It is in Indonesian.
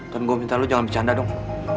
ton gue minta lo jangan bercanda dong